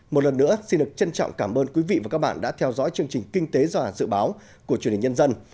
một lần nữa xin được trân trọng cảm ơn quý vị và các bạn đã theo dõi chương trình kinh tế và dự báo của truyền hình nhân dân